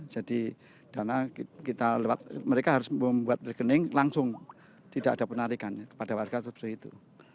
jadi dana kita lewat mereka harus membuat rekening langsung tidak ada penarikan kepada warga setelah itu